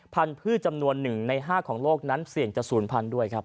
พันธุ์พืชจำนวน๑ใน๕ของโลกนั้นเสี่ยงจะ๐๐๐๐ด้วยครับ